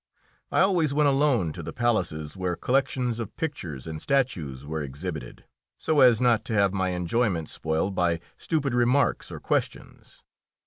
I always went alone to the palaces where collections of pictures and statues were exhibited, so as not to have my enjoyment spoiled by stupid remarks or questions.